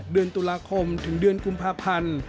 เดือนตุลาคมถึงเดือนกุมภาพันธ์